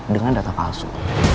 dengan data palsu